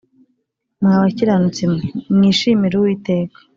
Mwa bakiranutsi mwe mwishimire Uwiteka